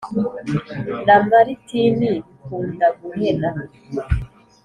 na maritini bikundaguhena